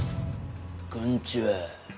こんちはぁ。